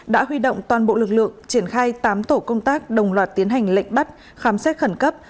đã huy động toàn bộ lực lượng triển khai tám tổ công tác đồng loạt tiến hành lệnh bắt khám xét khẩn cấp